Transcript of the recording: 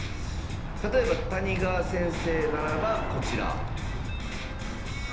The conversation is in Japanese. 例えば谷川先生ならばこちら。